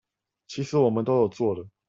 其實我們都有做了